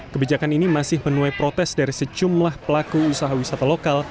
kebijakan ini masih menuai protes dari sejumlah pelaku usaha wisata lokal